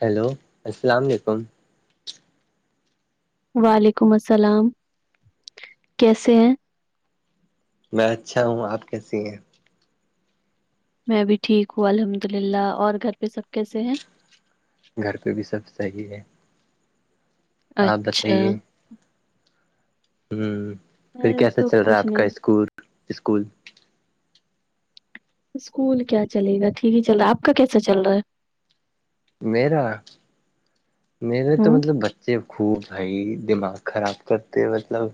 Hello السلام علیکم وعلیکم السلام کیسے ہیں میں اچھا ہوں آپ کیسی ہیں میں بھی ٹھیک ہوں الحمد للہ اور گھر پہ سب کیسے ہیں گھر پہ بھی سب صحیح ہے آپ اچھا بتائیے ہوں پھر میں کیسا تو چل رہا ہے کچھ آپ کا نہیں اسکول اسکول اسکول کیا چلے گا ٹھیک ہی چل رہا ہے آپ کا کیسا چل رہا ہے میرا میرے تو ہوں مطلب خوب بھائی دماغ خراب کرتے مطلب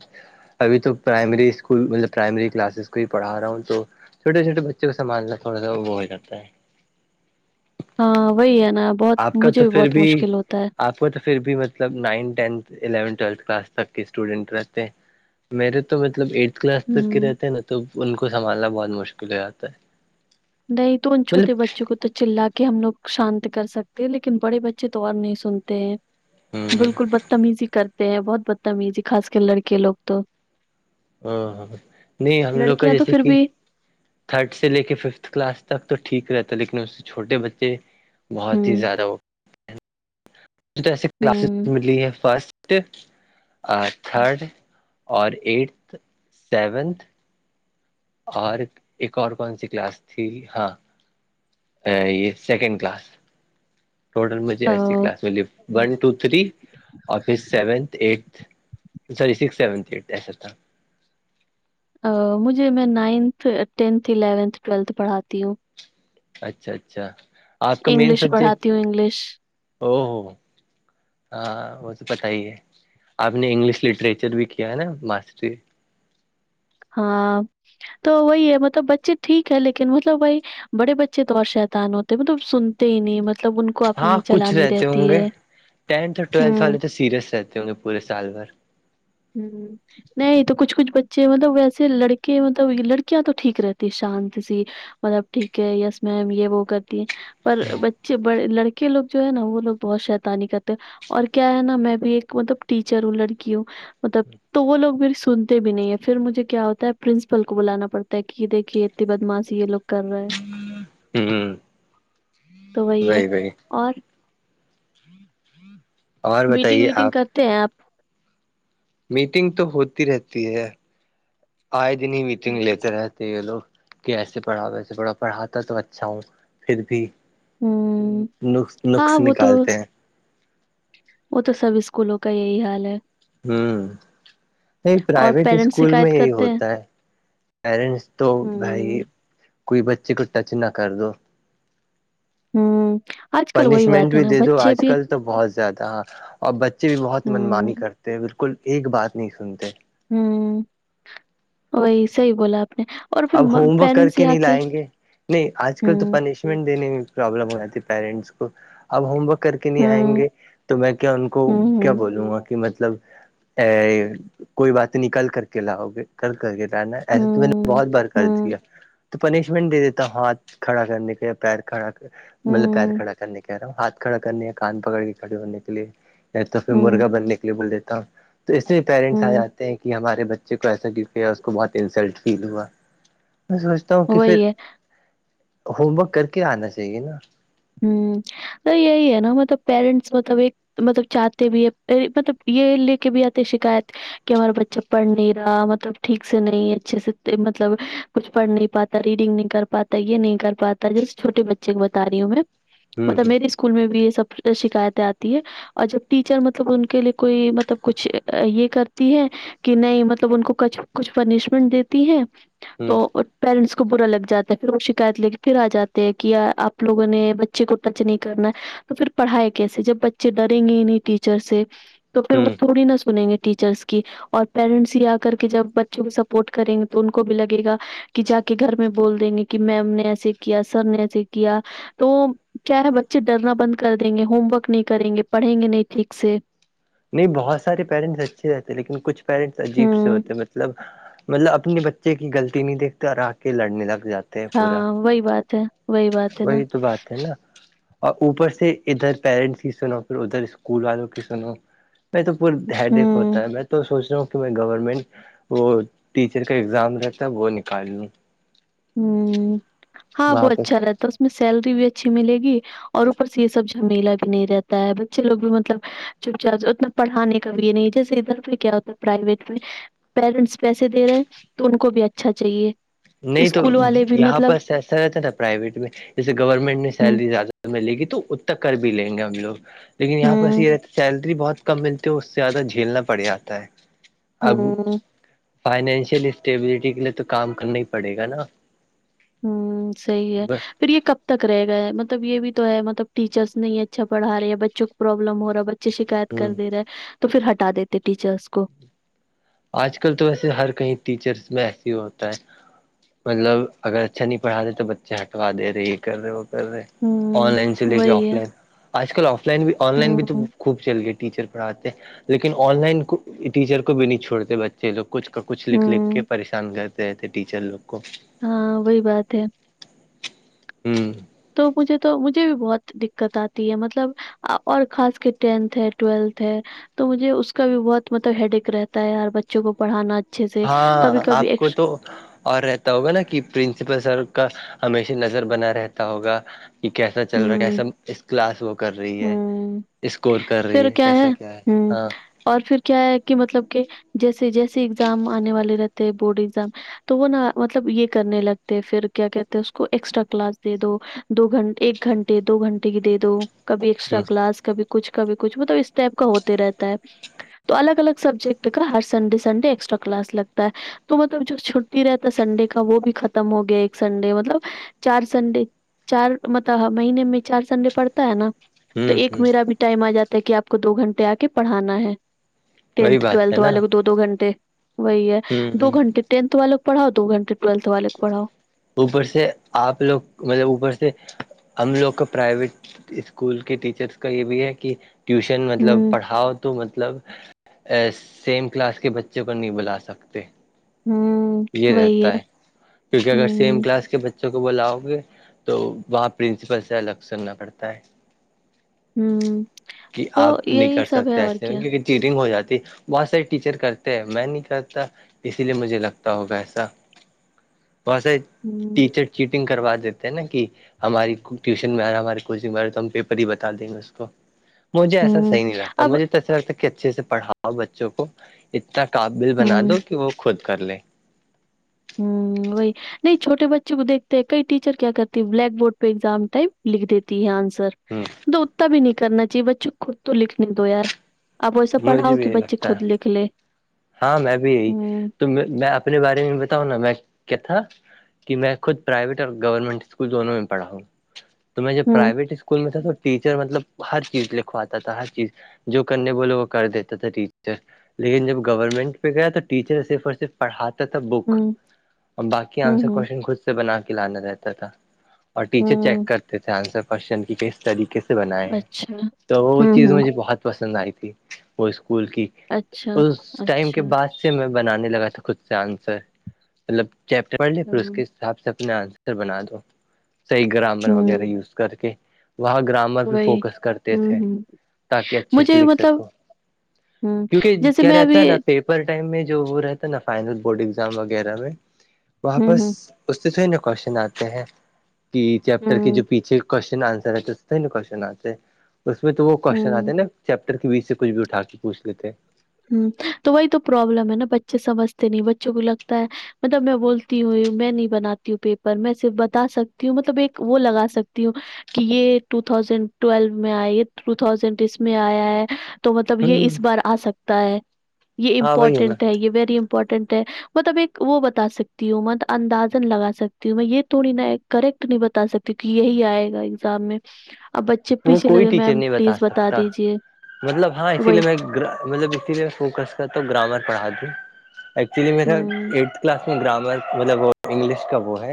ابھی تو پرائمری اسکول مطلب پرائمری کلاسز کو ہی پڑھا رہا ہوں تو چھوٹےھوٹے بچ کو سنھنا تھوڑا وہ ہو جا ہے ہاں وہی ہے نا بہت آپ کا مجھے تو بھی پھر بہت مشکل ہوتا ہے آپ کو تو پھر بھی مطلب nine tenth eleventh twelfth class تک کے اسٹوڈینٹ رہتے ہیں میرے تو مطلب ایٹ کلاس تک کے ہوں رہتے ہیں نا تو ان کو سنبھالنا بہت مشکل ہو جاتا ہے نہیں تو ان چھوٹے مطلب بچوں کو تو تو چلا کے ہم لوگ شانت کر سکتے ہیں لیکن بڑے بچے تو اور نہیں سنتے ہیں بالکل بدتمیزی کرتے ہیں بہت بدتمیزی خاص کر لڑکے لوگ تو ہ ہاں نہیں ہم لوگ کا لڑکیاں تو جیسے پھر کہ بھی تھرڈ سے لے کے ففتھ کلاس تک تو ٹھیک رہتا ہے لیکن اس سے چھوٹے بچے بہت ہی ہوں زیادہ وہ ایسے کلاسز ملی ہے فسٹ تھرڈ اور ایٹتھ سیونتھ اور ایک اور کون سی کلاس تھی ہاں یہ سیکنڈ کلاس ٹوٹل مجھے ایسی ہوں کلاس میں لی ون ٹو تھری اور پھر seventh eighth sorry six seventh E S تھا مجھے میں نائنتھ ٹینتھ الیونتھ ٹویلتھ پڑھاتی ہوں اچھا اچھا آپ کا مین انگلش سبجیکٹ پڑھاتی ہوں انگلش او ہو ہاں وہ تو پتا ہی ہے آپ نے انگلش لٹریچر بھی کیا ہے نا ماسٹری ہاں تو وہی ہے مطلب بچے ٹھیک ہے لیکن مطلب بائی بڑے بچے تو اور شیتان ہوتے ہیں مطلب سنتے ہی نہیں مطلب ان کو ہاں اپنی کچھ چلانی رہتے ہوں رہتی گے ہے۔ ٹینتھ اور ٹویلتھ ہوں۔ والے تو سیریس رہتے ہوں گے پورے سال بھر ہوں نہیں تو کچھ کچھ بچے مطلب ویسے لڑکے مطلب لڑکیاں تو ٹھیک رہتی شانت س مطلب ٹھیک ہے یس میم یہ وہ کرتی ہے پر لڑکے لوگ جو ہے نا وہ لوگ بہت شیتانی کرتے اور کیا ہے نا میں بھی ایک مطلب ٹیچر ہوں لڑکی ہوں مطلب تو وہ لوگ مری سنتے بھی نہیں ہیں پھر مجھے کیا ہوتا ہے پرنسپل کو بلانا پڑتا ہے کہ دیکھیے بدماش یہ لوگ کر رہے ہیں ہوں تو وہی ہے اور اور میٹنگ بتائیے ویٹنگ آپ کرتے ہیں آپ میٹنگ تو ہوتی رہتی ہے آئے دن ہی میٹنگ لیتے رہتے ہیں لوگ کہ ایسے پڑھاؤ ویسے پڑھاؤ پڑھاتا تو اچھا ہوں پھر بھی ہوں ن ہاں نقص وہ تو نکالتے ہیں وہ تو سب اسکولوں کا یہی حال ہے ہوں نہیں اور پرائیویٹ پیرنٹس اسکول میں شکایت یہی کرتے ہیں ہوتا ہے پیرنٹس تو بھائی ہوں کوئی بچے کو ٹچ نہ کر دو ہوں آج کل وہی پنشمنٹ بات ہے بھی نا دے دو بچے آج بھی کل تو بہت زیادہ ہاں اور بچے بھی بہت من ہوں مانی کرتے تو بالکل ایک بات نہیں سنتے ہوں وہی صحی بولا آپ نے اور پھر اب ہوم ورک کر پیرنٹس ہی کے آ نہیں لائیں گے نہیں آج کل تو ہوں پنش دینے میں پرابلم ہواتی ہے پیرنٹس کو اب ہوم ورک کر کے نہیں آئیں ہوں گے تو میں کیا ان کو ہوں کیا ہوں بولوں گا کہ مطلب ا کوئی بات نکل کر کے لاؤگے کر کر کے لانا ایسا تو میں نے ہوں بہت بر کر ہوں دیا تو پنشمنٹ دے دیتا ہوں ہاتھ کھڑا کرنے کے یا پیر کھڑا کر مطلب پیر ہوں کھڑا کرنے کہہ رہا ہوں ہاتھ کھڑا کرنے ہیں کان پکڑ کے کھڑے ہونے کے لیے تو پھر ہوں مرغا بننے کے لیے بول دیتا ہوں تو اسے پیرنٹس آ ہوں جاتے ہیں کہ ہمارے بچے کو ایسا گر کیا اس کو بہت انسلٹ فیل ہوا ہوں کہ پھر وہی ہے ہوم ورک کر کے آنا چاہیے نا ہاں تو یہی ہے نا مطلب پیرنٹس مطلب ایک مطلب چاہتے بھی ہے مطلب یہ لے کے بھی آتے شکایت کہ ہمارا بچہ پڑھ نہیں رہا مطلب ٹھیک سے نہیں اچھے سے مطلب کچھ پڑھ نہیں پاتا ریڈنگ نہیں کر پاتا یہ نہیں کر پاتا جس چھوٹے بچے کو بتا رہی ہوں میں ہوں مطلب میری ہ اسکول میں بھی یہ سب شکایتیں آتی ہے اور جب ٹیچر مطلب ان کے لیے کوئی مطلب کچھ یہ کرتی ہے کہ نہیں مطلب ان کو کچھ کچھ پنشمنٹ دیتی ہے ہ تو پیرنٹس کو برا لگ جاتا ہے پھر وہ شکایت لے کے پھر آ جاتے ہیں کہ آپ لوگوں نے بچ بچے کو ٹچ نہیں کرنا ہے تو پھر پڑھ ہے کیسے جب بچے ڈریں گے نہیں ٹیچر سے تو پھر وہ ہ تھوڑی نہا سنیں گے ٹیچرس اور پیرنٹس ہی آ کر کے جب بچوں کو سپورٹ کریں گے تو ان کو بھی لگے گا کہ جا کے گھر میں بول دیں گے کہ میم نے ایسے کیا سر نے ایسے کیا تو کیا ہے بچے ڈرنا بند کر دیں گے ہوم ورک نہیں کریں گے پڑھیں گے نہیں ٹھیک سے نہیں بہت سارے پییرنٹس اچھے رہتے لیکن کچھ پیرنٹس عجیب سے ہوں ہوتے مطلب مطلب اپنے بچے کی غلط نہیں دیکتے ر کے لڑنے لگ جاتے ہیں پورا ہاں وہی بات ہے وہی بات ہے نا وہی تو بات ہے نا اور اوپر سے ادھر پیرنٹس کی سنو پھر ادھر اسکول والوں کی سنو میں تو پور ہیڈ ایک ہوں ہوتا ہے میں تو سوچ رہا ہوں میں گورنمنٹ وہ ٹیچر کا ایگزام رہتا ہے وہ نکال لوں ہوں ہاں وہاں بت پر اچھا رہتا میں سیلری بھی اچھی ملے گی اور اوپر سے یہ سب جھمیلہ بھی نہیں رہتا ہے بچے لوگ بھی مطلب چپ چاپ اتنا پڑھانے کا بھی یہ نہیں جیسے ادھر پ کیا ہوتا ہے پرائیویٹ میں پیرنٹس پیسے دے رہے ہیں تو ان کو بھی اچھا چاہیے نہیں تو اسکول والے بھی یہاں مطلب پر ایسا رہتا تھا پرائیویٹ میں جیسے گورنمنٹ نے ہوں سیلری زیادہ میں لے گی تو ا تک کر بھی لیں گے ہم لوگ لیکن یہاں پرس ہوں یہ سیلری بہت ک ملتے ہو اس سے زیادہ جھیلنا پڑ جاتا ہے اب ہوں فائنینشیل اسٹیبلٹی کے لیے تو کام کرنا ہی پڑے گا نا ہوں سی ہے ہ پھر یہ کب تک رہ گ ہے مطلب یہ بھی تو ہے مطلب ٹیچرس نہیں اچھا پڑھ رہے ہے بچوں کو پرابلم ہو رہا بے شکایت کر دے رہے تو پھر ہٹا دیتے ٹیچرس کو آج کل تو ویسے ہر کہیں ٹیچرس میں ایس ہی ہوتا ہے مطلب اگر اچھا نہیں پڑا رہے تو بچے ہٹوا دے رہے یہ کر رہے وہ کر رہے آن ہوں لائن سے لے کے وہی آف ہے لائن آج کل آف لائن بھی آن لائن بھی تو ہوں خ چل گئے ٹیچر پڑھاتے لیکن آن لائن کو ٹیچر کو بھی نہیں چھوڑتے بچے جی جو کچھ کچھ لکھ لکھ ہوں کے پریشان کرتے رہ تھے ٹیچر لوگ کو ہاں وہی بات ہے ہوں تو مجھے تو مجھے بھی بہت دقت آتی ہے مطلب اور خاص کے ٹینتھ ہے ٹویلتھ ہے تو مجھے اس کا بھی بہت مطلب ہیڈ ایک رہتا ہے یار بچوں کو پڑھانا اچھے سے کبھی ہاں کبھی آپ کو ایکس تو اور رہتا ہوگا نا کہ پرنسپل سر کا ہمیشہ نظر بنا رہتا ہوگا کہ کیسا چل رہا ہے ہوں، کیسا اس کلاس وہ کر رہی ہے ہوں، اسکور کر رہی ہے کیسا کیا ہے ہاں اور پھر کیا ہے کہ مطلب کہ جیسے جیسے ایگزام آنے والے رہتے ہیں بورڈ ایگزام تو وہ نا مطلب یہ کرنے لگتے پھر کیا کہتے اس کو ایکسٹرا کلاس دے دو دو گھنٹے ایک گھنٹے دو گھنٹے کی دے دو کبھی ایکسٹرا ہ کلاس کبھی کچھ کبھی کچھ مطلب اس ٹائپ کا ہوتے رہتا ہے تو الگ الگ سبجیکٹ کا ہر سنڈے سنڈے ایکسٹرا کلاس لگتا ہے تو مطلب جو چھٹی رہتا سنڈے کا وہ بھی ختم ہو گیا ایک سنڈے مطلب چار سنڈے چار مطلب مہینے میں چار سنڈے پڑتا ہے نا تو ہ ایک ہ میرا بھی ٹائم آ جاتا ہے کہ آپ کو دو گھنٹے آ کے پڑھانا ہے وہی ٹینتھ بات ٹویلتھ ہے نا والے کو دو دو گھنٹے وہی ہے ہ دو گھنٹے ٹینتھ والک پڑھاؤ دو گھنٹے ٹویلتھ والےک پڑھاؤ اوپر سے آپ لوگ مطلب اوپر سے ہم لوگ کا پرائیویٹ اسکول کے ٹیچرس کا یہ بھی ہے کہ ٹیوشن مطلب ہوں، پڑھاؤ تو مطلب سیم کلاس کے بچوں کو نہیں بلا سکتے ہوں یہ رہتا ہے کیونکہ اگر سیم ہوں، کلاس کے بچے بچوں کو بلاؤ گے تو وہاں پرنسپل سے الگ سننا پڑتا ہے ہوں، کہ تو آپ نہیں یہی کر سب ہے سکتے اور ایسے میں کیا کیونکہ ٹنگ ہو جاتی ب سر ٹیچر کرتے ہیں میں نہیں کرتا اسی لیے مجھے لگتا ہوگا ایسا وسے ہوں، ٹیچر چیٹنگ کروا دیتے ہیں نا کہ ہماری ٹیوشن میں آ رہا ہماری کوچنگ میں آ رہ ہے تو ہم پیپر ہی بتا دیں گے اس کو مجھے ایساح ہوں، نہیں لگتا اب مجھے تو ایسا لگتا کہ اچھے سےڑھاؤ بچوں کو اتنا قابل بنا ہوں دو کہ وہ خود کر لے ہوں وہی نہیں چوٹے بچے کو دیکھتے ہیں کئی ٹیچر کیا کرتی ہے بلیک بورڈ پہ ایگزام ٹائم لکھ دیتی ہے آنسر ہ سر تو اتتا بھی نہیں کرنا چاہیے بچوں خود تو لکھنے دو یار اب ویسا مجھے پڑاؤ بھی کہ یہی بچے لگتا ہے خود لکھ لے ہاں میں بھی یہی ہوں تو میں میں اپنے بارے میں بتاؤں نا میں کیا تھا کہ میں خود پرائیویٹ اور گورنمنٹ اسکول دونوں میں پڑا ہوں تو میں جب ہوں پرائیویٹ اسکول اسکول میں تھا تو ٹیچر مطلب ہر چیز لکھواتا تھا ہر چیز جو کرنے بولے وہ کر دیتا تھا ٹیچر لیکن جب گورنمنٹ پہ گیا تو ٹیچر صرف اور صرف پڑھاتا تھا بک ہوں اور باقی ہوں آنسر ہوں کوشن خود سے بنا کے لانا رہتا تھا اور ٹیچر چیک ہوں کرتے تھے آنسر کوشچن کی کس طریقے سے بنائے ہیں اچھا تو وہ ہوں چیز ہوں مجھے بہت پسند آئی تھی وہ اسکول کی اچھا اس اچھ بعد سے میں بنانے لگا تھا خود سے آنسر مطلب چپٹرڑھ لے پھر اس ہوں کے سے اپنا آنسر بنا دو صحیح گرامر وغیرہ ہوں یوز کر کے وہ گرامر ر بھی وہی فوکس کرتے ہوں تھے ہوں تاکہ اچھے مجھے سے بھی لکھ مطلب سکو ہوں کیونکہ جیسے کیا میں رہتا ابھی ہے نا پیپر ٹائم میں جو وہ رہتا ہے نا فائنل بورڈ ایگزام وغیرہ میں ہوں وہاپس ہوں اس سے تھوی نا کوشچن آتے ہیں کہ چیپٹر کے ہوں جو پیچھے کوشچن آنسر ہے تو کوشچن آتے اس میں تو وہ کوشچن ہوں آتے ن چیپٹر کے بیچ سے کچھ بھی اٹھا کے پوچھ لیتے ہیں ہ تو وہی تو پرابلم ہے نا بچے سمجھتے نہیں بچوں کو لگتا ہے مطلب میں بولتی ہوں میں نہیں بناتی ہوں پیپر میں صرف بتا سکتی ہوں مطلب ایک وہ لگا سکتی ہوں کہ یہ ٹو تھازینڈ ٹویلو میں آ یہ ٹو تھازینڈ اس میں آیا ہے تو مطلب یہ ہوں اس بار آ سکتا ہے یہ ہاں وہی نا امپورٹینٹ ہے یہ ویری امپورٹینٹ ہے مطلب ایک وہ بتا سکتی ہوں مب اندازن لگا سکتی ہوں میں یہ تھوڑی نہا کریکٹ نہیں بتا سکتی کہ یہی آئے گا ایگزام میں اب بچے وہ پیچھے کوئی لگے ٹیچر میم نہیں پلیز بتا سکتا دیجیے مطلب ہاں اسی لیے وہی میں گ مطلب اسی لیے فوکس کر تو گرامر پڑھا د ایکچولی میرا ہوں ایٹھ کلاس اس میں گرامر مطلب وہ انگلش کا وہ ہے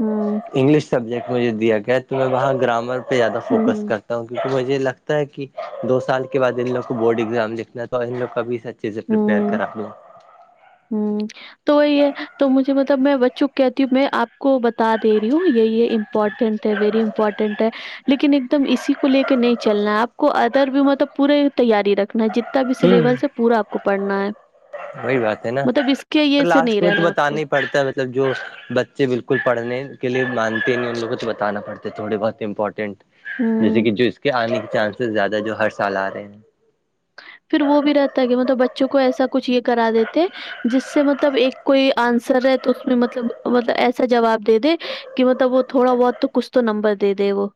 ہاں انگلش سبجیکٹ مجھے دیا گیا تو میں وہاں گرامر پہ زیادہ فوکس ہوں کر کیونک مجھے لگتا ہے کہ دو سال کے بع ان لوگ کو بورڈ ایگزام دکھنا تھا اور ان لوگ کا بھی س ہوں ہوں تو یہی ہے تو مجھے مطلب میں ب چک کہتی ہوں میں آپ کو بتا دے رہی ہوں یہی ہے امپورٹنٹ ہے ویری امپورٹنٹ ہے لیکن ایک دم اسی کو لے کے نہیں چلنا ہے آپ کو ادر بھی مطلب پوری تیاری رکھنا ہے جتنا ب ہوں سلیبس سے پورا آپ کو پڑھنا ہے وہی بات ہے مطلب اس کے یہ سے نہیں رہنا آپ کو پڑھتا ہے مطلب جو بچے بالکل پڑھنے کے لیے مانتے نہیں ان لوگ کو تو بتانا پڑتے تھوڑے بہت امپورٹینٹ جیسے ہوں، کہ جو اس کے آنے کے چانسز زیادہ ہے جو ہر سال آ رہے ہیں پھر وہ بھی رہتا ہے کہ مطلب بچوں کو ایسا کچھ یہ کرا دیتے جس سے مطلب ایک کوئی آنسر ہے تو اس میں مطلب مطلب ایسا جواب دے دے کہ مطلب وہ تھوڑا بہت تو کچھ تو نمبر دے دے وہ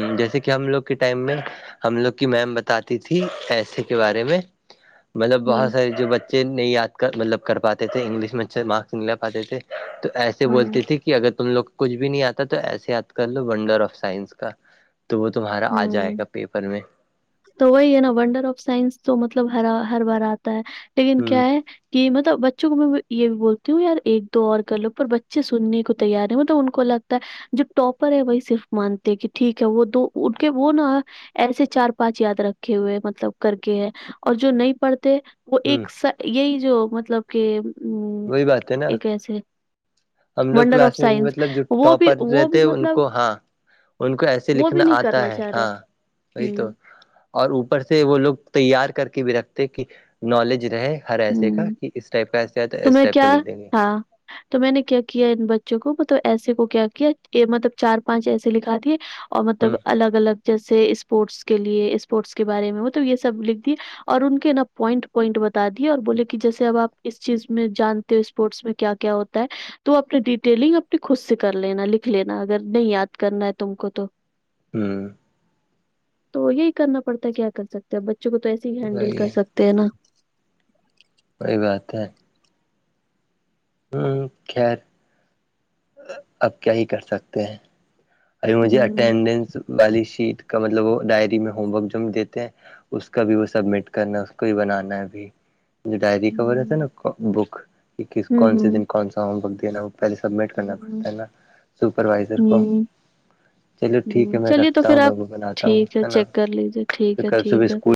ہ جیسے کہ ہم لوگ کے ٹائم میں ہم لوگ کی میم بتاتی تھی ایسے کے بارے میں مطلب ہوں، بہت سارے جو بچے نہیں یاد کر مطلب کر پاتے تھے انگلش میں اچھا مارکس نہیں لا پاتے تھے تو ایسے ہوں، بولتی تھی کہ اگر تم لوگ کو کچھ بھی نہیں آتا تو ایسے یاد کر لو ونڈر آف سائنس کا تو وہ تمہارا آ ہوں۔ جائے گا پیپر میں تو وہی ہے نا ونڈر آف سائنس تو مطلب ہر ہر بار آتا ہے لیکن ہوں کیا ہے کہ مطلب بچوں کو میں یہ بھی بولتی ہوں یار ایک دو اور کر لو پر بچے سننے کو تیار ہیں مطلب ان کو لگتا ہے جو ٹاپر ہے وہی صرف مانتے کہ ٹھیک ہے وہ دو ان کے وہ نا ایسے چار پانچ یاد رکھے ہوئے مطلب کر کے ہے اور جو نہیں پڑھتے وہ ہوں ایک یہی جو مطلب کہ ا وہی بات ہے نا ایک ایسے ہم لوگ ونڈر آف کلاس میں بھی سائنس مطلب جو وہ بھی ٹاپر وہ بھی رہتے ان مطلب کو ہاں ان کو ایسے وہ بھی لکھنا نہیں آتا کرنا ہے چاہ رہے ہاں وہی تو ہوں اور اوپر سے وہ لوگ تیار کر کے بھی رکھتے کہ نالج رہے ہر ایسے کا ہوں کہ اس ٹائپہ ایسے آئے تو اس میں کیا ٹپہ لکھ دیں گے ہاں، تو میں نے کیا کیا ان بچوں کو مطلب ایسے کو کیا کیا مطلب چار پانچ ایسے لکھا دیے اور مطلب ہ الگ الگ جیسے اسپورٹس کے لیے اسپورٹس کے بارے میں ہو تو یہ سب لکھ دیے اور ان کے نا پوائنٹ پوائنٹ بتا دی اور بولے کہ جیسے اب آپ اس چیز میں جانتے ہو اسپورٹس میں کیا کیا ہوتا ہے تو اپنی ڈیٹیلنگ اپنی خود سے کر لینا لکھ لینا اگر نہیں یاد کرنا ہے تم کو تو ہوں تو یہی کرنا پڑتا ہے کیا کر سکتے ہیں بچوں کو تو ایسے ہی ہینڈل وہی کر ہے سکتے ہیں نا وہی بات ہے ہوں خیر اب کیا ہی کر سکتے ہیں ار مجھے ہوں، اٹینڈنس والی شیٹ مطلب وہ ڈائری میں ہوم ورک جو دیتے ہیں اس کا بھی وہ سبمٹ کرنا ہے اس کو بھی بنانا ہے ابھی جو ڈائری کور ہے تھا ہوں، نا بکس کون سے ہوں، دن کون سا ہوم ورک دینا ہو پہلے سبمٹ کرنا ہوں، پڑتا ہے نا سپروائزر کو ہوں۔ چلو ٹھیک ہے ہوں میں چلیے تو رکھتا پھر ہوں میں آپ وہ بناتا ہوں ٹھیک ہے نا چیک کر لیجیے پ ٹھیک ہے کل صبح ٹھیک ہے اسکول